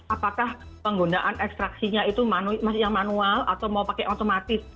apakah penggunaan ekstraksinya itu masih yang manual atau mau pakai otomatis